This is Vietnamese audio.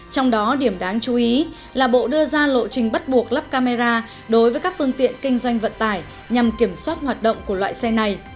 trong đó điểm đáng chú ý là bộ đưa ra lộ trình bắt buộc lắp camera đối với các phương tiện kinh doanh vận tải nhằm kiểm soát hoạt động của loại xe này